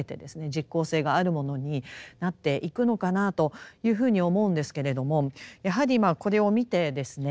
実効性があるものになっていくのかなというふうに思うんですけれどもやはりこれを見てですね